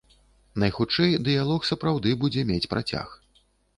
Найхутчэй, дыялог сапраўды будзе мець працяг.